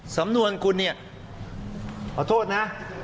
สำนวนคุณเนี่ยขอโทษนะ